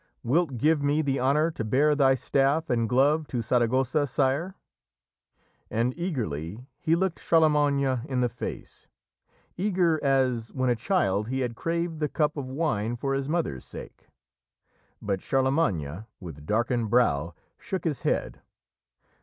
Wilt give me the honour to bear thy staff and glove to Saragossa, sire?" And eagerly he looked Charlemagne in the face eager as, when a child, he had craved the cup of wine for his mother's sake. But Charlemagne, with darkened brow, shook his head.